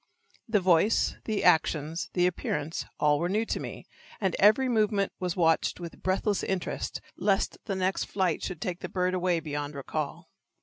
The voice, the actions, the appearance, all were new to me, and every movement was watched with breathless interest lest the next flight should take the bird away beyond recall.